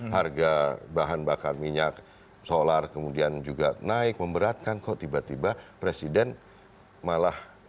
harga bahan bakar minyak solar kemudian juga naik memberatkan kok tiba tiba presiden malah